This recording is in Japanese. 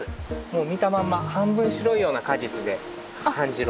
もう見たまんま半分白いような果実で半白。